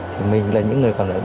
thì mình là những người còn lại